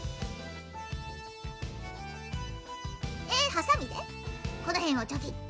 ハサミでこのへんをチョキッと。